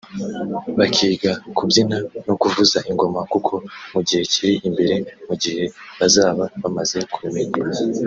bakiga kubyina no kuvuza ingoma kuko mu gihe kiri imbere mu gihe bazaba bamaze kubimenya